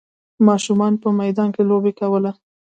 ماشومانو په میدان کې لوبه کوله.